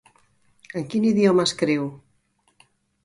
En quin idioma escriu?